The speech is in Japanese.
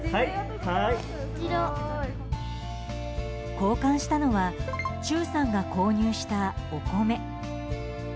交換したのは忠さんが購入したお米。